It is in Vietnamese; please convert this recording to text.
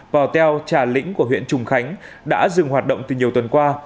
bò teo trà lĩnh của huyện trùng khánh đã dừng hoạt động từ nhiều tuần qua